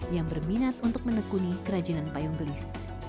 yang berminat untuk menekuni kerajinan payung gelis